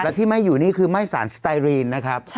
และที่ไม่อยู่นี่คือไหม้สารสไตรีนนะครับ